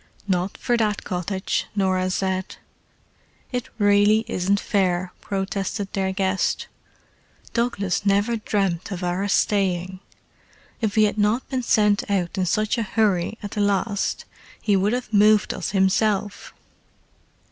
"Not for that cottage," Norah said. "It really isn't fair," protested their guest. "Douglas never dreamed of our staying: if he had not been sent out in such a hurry at the last he would have moved us himself."